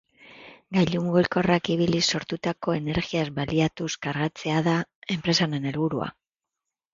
Gailu mugikorrak ibiliz sortutako energiaz baliatuz kargatzea da enpresa honen helburua.